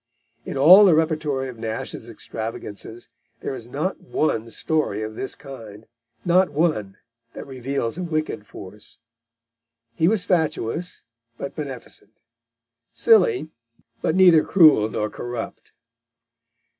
In all the repertory of Nash's extravagances there is not one story of this kind, not one that reveals a wicked force. He was fatuous, but beneficent; silly, but neither cruel nor corrupt.